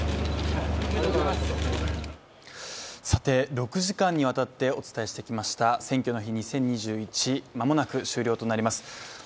６時間にわたってお伝えしてきました「選挙の日２０２１」、間もなく終了となります。